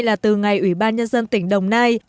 là từ ngày ủy ban nhân dân tỉnh đồng nai